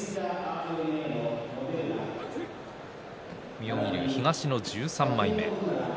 妙義龍は東の１３枚目。